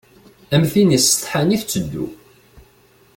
Am tin isetḥan i tetteddu.